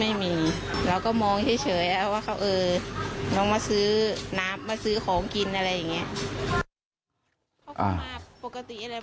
ไม่มีเราก็มองเฉยแล้วว่าเขาเออน้องมาซื้อน้ำมาซื้อของกินอะไรอย่างนี้